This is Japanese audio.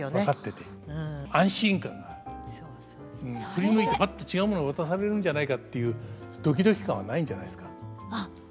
振り向いてぱっと違う物渡されるんじゃないかっていうドキドキ感はないんじゃないですか。